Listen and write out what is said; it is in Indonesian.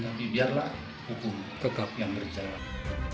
tapi biarlah hukum kegap yang berjalan